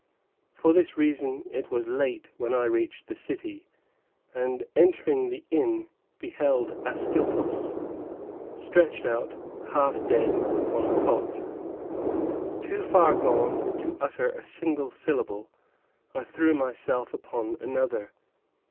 For this reason, it was late when I reached the city, and, entering the inn, beheld Ascyltos, stretched out, half dead, upon a cot. Too far gone to utter a single syllable, I threw myself upon another.